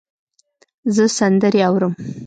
زه سندرې اورم